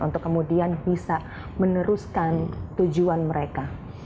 untuk kemudian bisa meneruskan tujuan mereka